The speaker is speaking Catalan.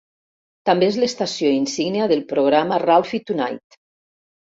També és l'estació insígnia del programa "Ralphie Tonight".